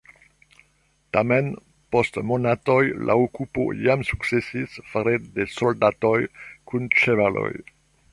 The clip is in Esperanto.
Tamen post monatoj la okupo jam sukcesis fare de soldatoj kun ĉevaloj.